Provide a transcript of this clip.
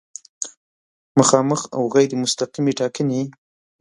مخامخ او غیر مستقیمې ټاکنې